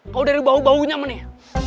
kau dari bau baunya mah nih